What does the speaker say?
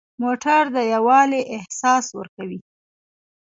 موټر د یووالي احساس ورکوي.